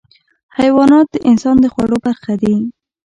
حیوانات د انسان د خوړو برخه دي.